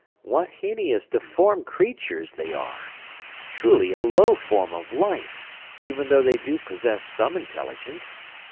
"What hideous, deformed creatures they are! Truly a low form of life, even though they do possess some intelligence.